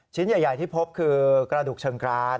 ใหญ่ที่พบคือกระดูกเชิงกราน